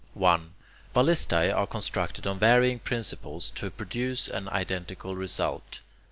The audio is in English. Ballistae are constructed on varying principles to produce an identical result.